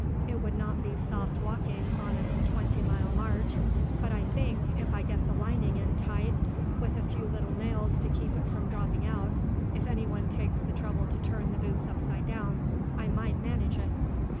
It would not be soft walking on a twenty mile march, but I think, if I get the lining in tight, with a few little nails to keep it from dropping out, if anyone takes the trouble to turn the boots upside down, I might manage it."